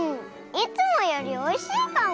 いつもよりおいしいかも！